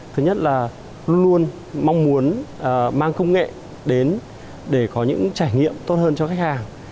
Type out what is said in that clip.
thứ nhất là luôn luôn mong muốn mang công nghệ đến để có những trải nghiệm tốt hơn cho khách hàng